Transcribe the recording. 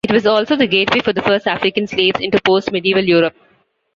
It was also the gateway for the first African slaves into post-medieval Europe.